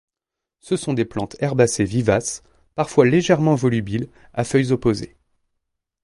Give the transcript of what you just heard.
Ce sont des plantes herbacées vivaces, parfois légèrement volubiles, à feuilles opposées.